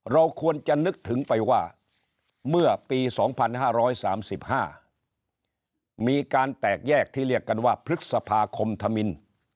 เราควรจะนึกถึงไปว่าเมื่อปี๒๕๓๕มีการแตกแยกที่เรียกกันว่าพฤษภาคมธมิน